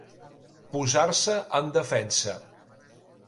Posar-se en defensa.